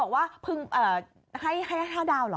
เธอบอกว่าให้๕ดาวน์เหรอ